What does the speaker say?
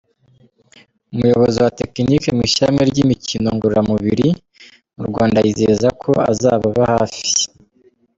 Umuyobozi wa technique mu ishyirahamwe ry’imikino ngororamubiri mu Rwanda yizeza ko azababa hafi.